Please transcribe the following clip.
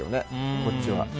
こっちは。